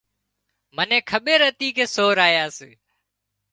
منين کٻير هتي ڪي سور آيا سي